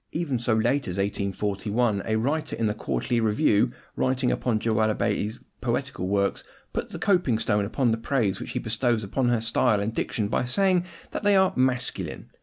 Even so late as 1841, a writer in the Quarterly Review, writing upon Joanna Baillie's poetical works, puts the coping stone upon the praise which he bestows upon her style and diction by saying that they are "masculine."